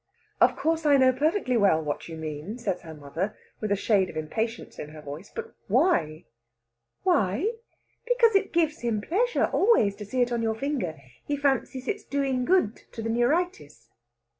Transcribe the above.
"Of course I know perfectly well what you mean," says her mother, with a shade of impatience in her voice. "But why?" "Why? Because it gives him pleasure always to see it on your finger he fancies it's doing good to the neuritis."